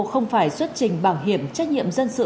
không phải xuất trình bảo hiểm trách nhiệm dân sự